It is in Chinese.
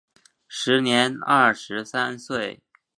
时年二十三岁。